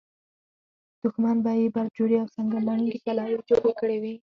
دښمن به یې برجورې او سنګر لرونکې کلاوې جوړې کړې وي.